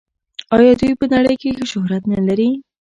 آیا دوی په نړۍ کې ښه شهرت نلري؟